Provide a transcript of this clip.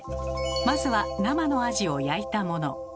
まずは生のアジを焼いたもの。